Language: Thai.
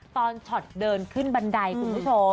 ช็อตเดินขึ้นบันไดคุณผู้ชม